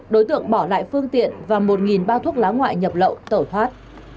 lực lượng bỏ lại phương tiện và một bao thuốc lá ngoại nhập lậu tẩu thoát